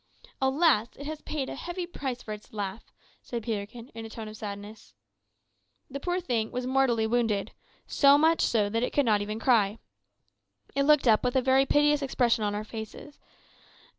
"Alas! it has paid a heavy price for its laugh," said Peterkin, in a tone of sadness. The poor thing was mortally wounded; so much so that it could not even cry. It looked up with a very piteous expression in our faces.